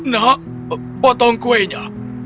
nah potong kuenya